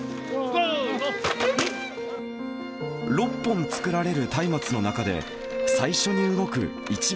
６本作られるたいまつの中で、最初に動く一番